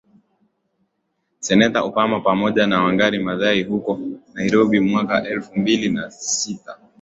Seneta Obama pamoja na Wangari Maathai huko Nairobi mwaka elfu mbili na sita